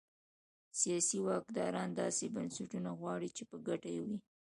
سیاسي واکداران داسې بنسټونه غواړي چې په ګټه یې وي.